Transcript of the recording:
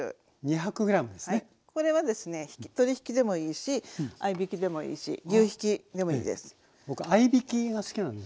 これはですね鶏ひきでもいいし合いびきでもいいし牛ひきでもいいです。